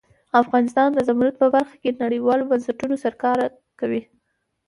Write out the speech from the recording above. افغانستان د زمرد په برخه کې نړیوالو بنسټونو سره کار کوي.